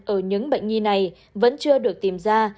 ở những bệnh nhi này vẫn chưa được tìm ra